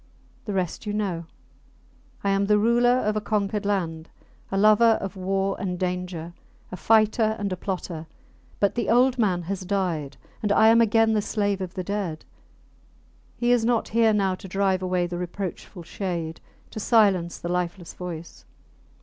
The rest you know. I am the ruler of a conquered land, a lover of war and danger, a fighter and a plotter. But the old man has died, and I am again the slave of the dead. He is not here now to drive away the reproachful shade to silence the lifeless voice!